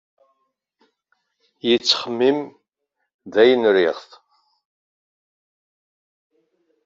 Yettxemmim dakken riɣ-tt.